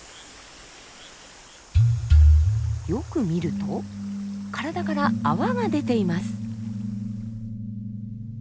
よく見ると体から泡が出ています。